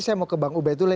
saya mau ke bang ubetula